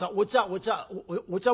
お茶お茶。